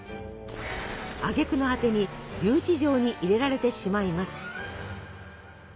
あげくの果てに留置場に入れられてしまいます。